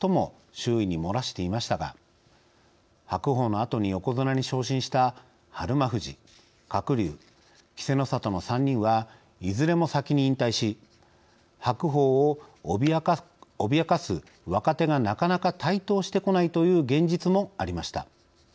周囲に漏らしていましたが白鵬のあとに横綱に昇進した日馬富士鶴竜稀勢の里の３人はいずれも先に引退し白鵬を脅かす若手がなかなか台頭してこないという現実もありました。